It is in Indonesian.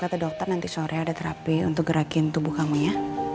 kata dokter nanti sore ada terapi untuk gerakin tubuh kamu ya